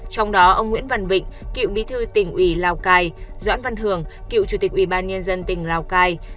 trong đó ông nguyễn văn vịnh cựu bí thư tỉnh ủy lào cai doãn văn hường cựu chủ tịch ủy ban nhân dân tỉnh lào cai